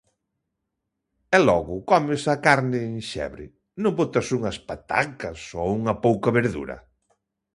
E logo comes a carne enxebre; non botas unhas patacas ou unha pouca verdura?